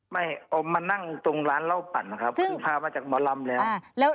เอามานั่งตรงร้านเหล้าปั่นนะครับคือพามาจากหมอลำแล้ว